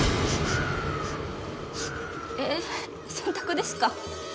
えっ洗濯ですか？